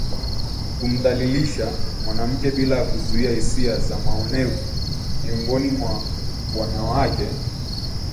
kumdhalilisha mwanamke bila ya kuzua hisia za maonevu miongoni mwa wanawake